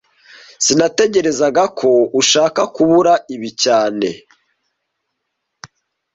Sinatekerezaga ko ushaka kubura ibi cyane